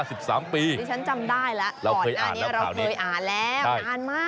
ดิฉันจำได้แล้วเราเคยอ่านแล้วนานมาก